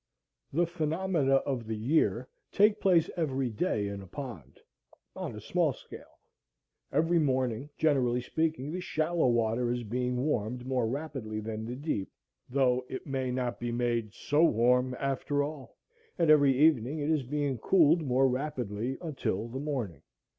The phenomena of the year take place every day in a pond on a small scale. Every morning, generally speaking, the shallow water is being warmed more rapidly than the deep, though it may not be made so warm after all, and every evening it is being cooled more rapidly until the morning.